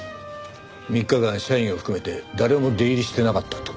３日間社員を含めて誰も出入りしてなかったって事か？